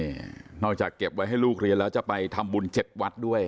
นี่นอกจากเก็บไว้ให้ลูกเรียนแล้วจะไปทำบุญ๗วัดด้วย